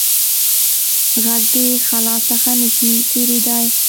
غږ د خلا څخه نه شي تېرېدای.